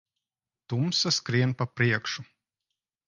Tumsa skrien pa priekšu.